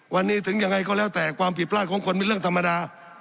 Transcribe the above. วันนี้ถึงยังไงก็แล้วแต่ความผิดพลาดของคนเป็นเรื่องธรรมดา